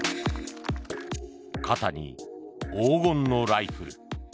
肩に黄金のライフル。